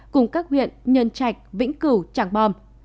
cùng các huyện nhân trạch vĩnh cửu trạng bom